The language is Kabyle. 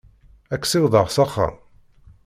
Ad k-ssiwḍeɣ s axxam?